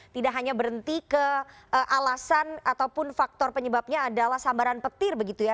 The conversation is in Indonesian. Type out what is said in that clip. tidak hanya berhenti ke alasan ataupun faktor penyebabnya adalah sambaran petir begitu ya